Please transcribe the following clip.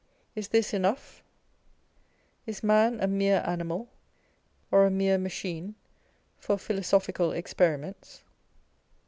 Is this enough ? Is man a mere animal, or a mere machine for philosophical experiments